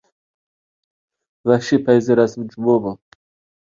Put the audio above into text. ۋەھشىي پەيزى رەسىم جۇمۇ بۇ!